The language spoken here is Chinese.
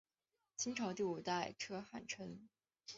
清朝第五代车臣汗。